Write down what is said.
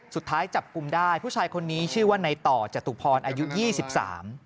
สุดท้ายจับกลุ่มได้ผู้ชายคนนี้ชื่อว่าในต่อจตุพรอายุยี่สิบสาม